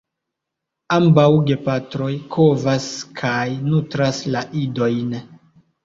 Ambaŭ gepatroj kovas kaj nutras la idojn.